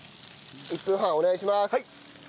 １分半お願いします！